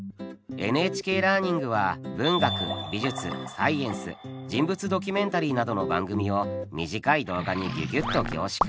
「ＮＨＫラーニング」は文学美術サイエンス人物ドキュメンタリーなどの番組を短い動画にギュギュッと凝縮。